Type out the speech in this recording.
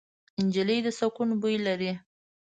نجلۍ د سکون بوی لري.